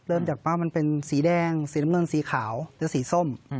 เริ่มจากป้ามันเป็นสีแดงสีน้ำเงินสีขาวหรือสีส้ม